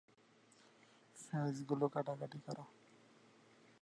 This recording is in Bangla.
তবে এ স্টেশনটি চালু হওয়ার সম্ভাবনা আছে।